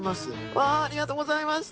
わあありがとうございました。